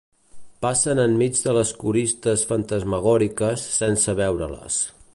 Passen enmig de les coristes fantasmagòriques sense veure-les.